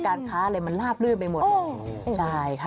การค้าอะไรมันราบลื่นไปหมดเลย